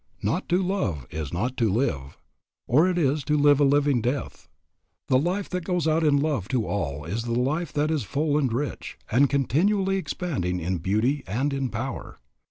Not to love is not to live, or it is to live a living death. The life that goes out in love to all is the life that is full, and rich, and continually expanding in beauty and in power.